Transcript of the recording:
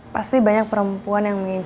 pasti banyak perempuan yang mencintai kamu